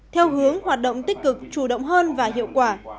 theo hướng hoạt động tích cực chủ động hơn và hiệu quả